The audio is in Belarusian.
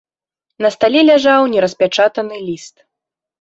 На стале ляжаў нераспячатаны ліст.